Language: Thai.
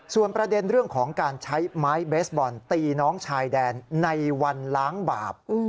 ส่วนประเด็นเรื่องของการใช้ไม้เบสบอลตีน้องชายแดนในวันล้างบาป